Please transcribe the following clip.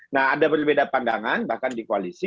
nah ada berbeda pandangan bahkan di koalisi